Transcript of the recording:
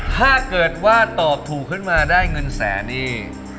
ถ้าเกิดว่าตอบถูกขึ้นมาได้เงินแสนนี่